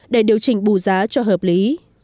để điều chỉnh bù giá cho hợp lý